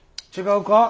違うか？